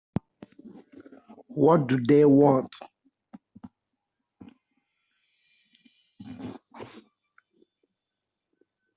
What do they want?